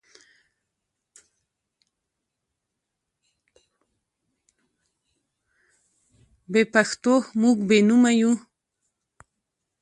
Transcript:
بې پښتوه موږ بې نومه یو.